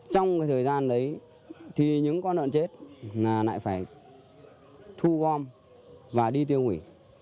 trong thời gian đấy thì những con lợn chết lại phải thu gom và đi tiêu hủy